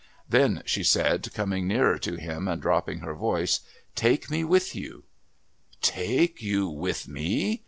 "Then," she said, coming nearer to him and dropping her voice, "take me with you." "Take you with me!"